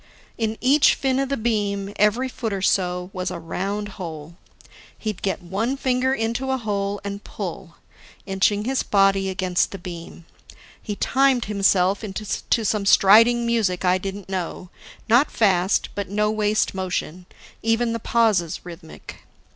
In each fin of the beam, every foot or so, was a round hole. He'd get one finger into a hole and pull, inching his body against the beam. He timed himself to some striding music I didn't know, not fast but no waste motion, even the pauses rhythmic.